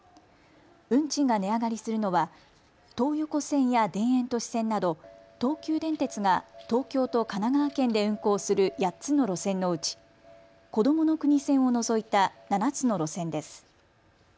運賃が値上がりするのは東横線や田園都市線など東急電鉄が東京と神奈川県で運行する８つの路線のうち、こどもの国線を除いた７つの路線です。